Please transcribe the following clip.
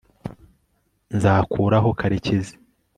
nzakuraho karekezi